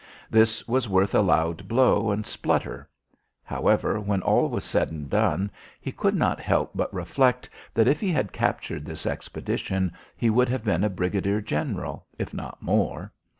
This was worth a loud blow and splutter. However, when all was said and done, he could not help but reflect that if he had captured this expedition, he would have been a brigadier general, if not more.